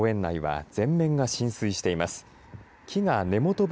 公園内は全面が浸水しています。